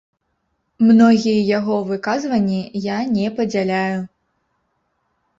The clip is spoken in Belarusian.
Многія яго выказванні я не падзяляю.